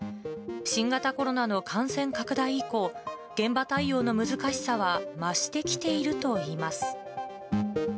新型コロナの感染拡大以降、現場対応の難しさは増してきているといいます。